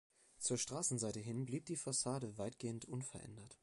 Zur Straßenseite hin blieb die Fassade weitgehend unverändert.